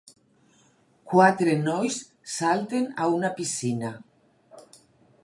Quatre nois salten a una piscina.